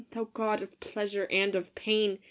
Thou god of pleasure and of pain !